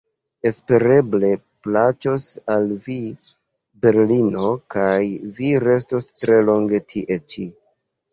Espereble plaĉos al vi berlino kaj vi restos tre longe tie ĉi.